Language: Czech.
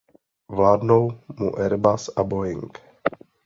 Vládnou mu Airbus a Boeing.